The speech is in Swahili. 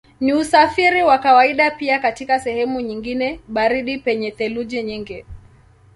Ni usafiri wa kawaida pia katika sehemu nyingine baridi penye theluji nyingi.